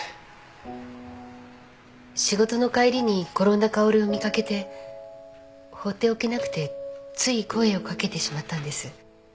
仕事の帰りに転んだ薫見掛けて放っておけなくてつい声を掛けてしまったんです。